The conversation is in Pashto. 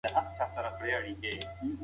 کورنۍ هم د دې ستونزو اثر لاندې وي.